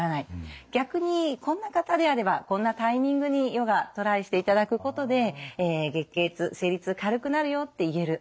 逆にこんな方であればこんなタイミングにヨガトライしていただくことで月経痛生理痛軽くなるよって言える。